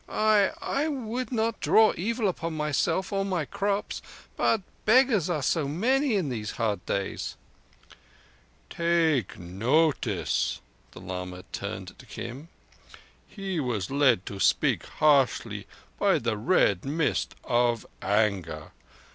"I—I would not draw evil upon myself—or my crops. But beggars are so many in these hard days." "Take notice." The lama turned to Kim. "He was led to speak harshly by the Red Mist of anger.